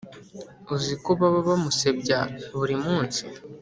uziko baba bamusebya buri munsi